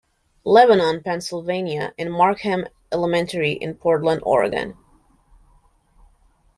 Lebanon, Pennsylvania, and Markham Elementary in Portland, Oregon.